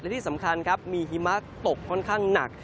และที่สำคัญครับมีหิมะตกค่อนข้างหนัก